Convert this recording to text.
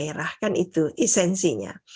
daerah kan itu esensinya